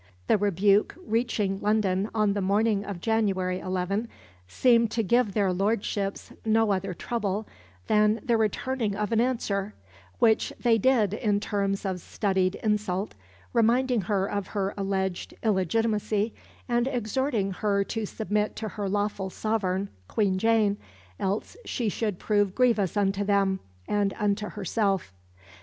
The rebuke reaching London on the morning of January 11 "seemed to give their Lordships no other trouble than the returning of an answer," which they did in terms of studied insult, reminding her of her alleged illegitimacy, and exhorting her to submit to her lawful sovereign, Queen Jane, else she should prove grievous unto them and unto herself.